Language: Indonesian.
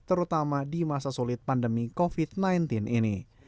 terutama di masa sulit pandemi covid sembilan belas ini